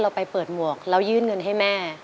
เราไปเปิดหมวกเรายื่นเงินให้แม่